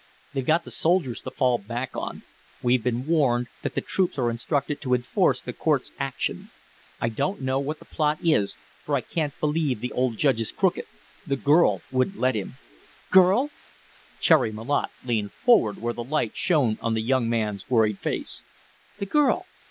They've got the soldiers to fall back on. We've been warned that the troops are instructed to enforce the court's action. I don't know what the plot is, for I can't believe the old Judge is crooked the girl wouldn't let him." "Girl?" Cherry Malotte leaned forward where the light shone on the young man's worried face. "The girl?